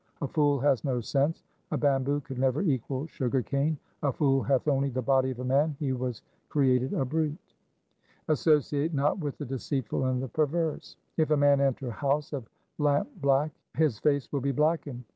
A fool has no sense. A bamboo could never equal sugar cane. A fool hath only the body of a man ; he was created a brute. 1 Associate not with the deceitful and the perverse: — If a man enter a house of lamp black his face will be blackened.